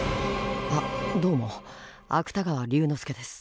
「あっどうも芥川龍之介です」。